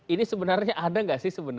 ini sebenarnya ada tidak sih